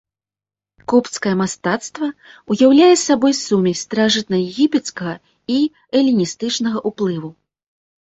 Копцкае мастацтва ўяўляе сабой сумесь старажытнаегіпецкага і эліністычнага ўплыву.